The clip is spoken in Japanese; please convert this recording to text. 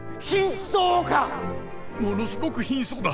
「ものすごく貧相だ！」。